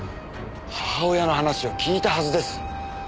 母親の話を聞いたはずです。